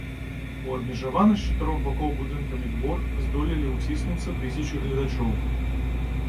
У абмежаваны з чатырох бакоў будынкамі двор здолелі ўціснуцца тысячы гледачоў.